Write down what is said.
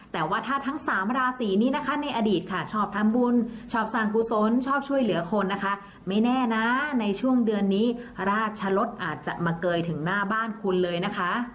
แต่ว่าถ้าทั้งสามราศีนี้นะคะในอดีตค่ะชอบทำบุญชอบสั่งกุศลชอบช่วยเหลือคนนะคะไม่แน่นะในช่วงเดือนนี้ราชรสอาจจะมาเกยถึงหน้าบ้านคุณเลยนะคะ